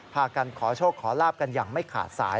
พากันขอโชคขอลาบกันอย่างไม่ขาดสาย